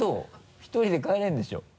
１人で帰れるでしょ。